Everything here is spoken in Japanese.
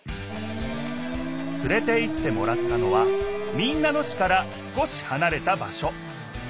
つれていってもらったのは民奈野市から少しはなれた場しょ。